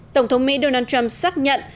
tổng thống mỹ donald trump xác nhận